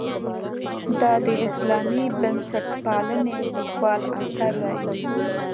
دا د اسلامي بنسټپالنې لیکوال اثر دی.